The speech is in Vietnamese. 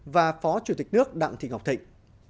và phó chủ tịch nước đặng thị ngọc thịnh